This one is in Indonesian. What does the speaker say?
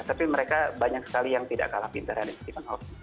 tapi mereka banyak sekali yang tidak kalah pintar dengan stephen hawking